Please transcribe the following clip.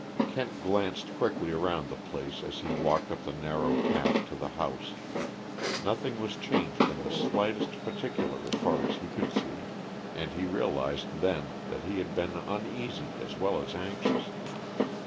Kent glanced quickly around the place as he walked up the narrow path to the house. Nothing was changed in the slightest particular, as far as he could see, and he realized then that he had been uneasy as well as anxious.